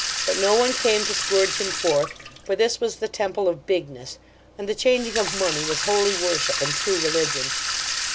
But no one came to scourge him forth, for this was the temple of Bigness, and the changing of money was holy worship and true religion.